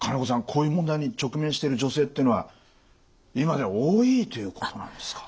こういう問題に直面している女性っていうのは今では多いということなんですか？